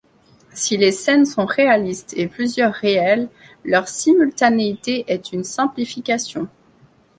Si les scènes sont réalistes et plusieurs réelles, leur simultanéité est une simplification.